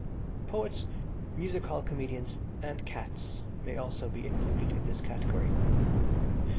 Poets, music hall comedians and cats may also be included in this category.